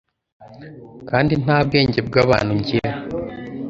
kandi nta bwenge bw’abantu ngira